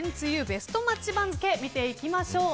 ベストマッチ番付を見ていきましょう。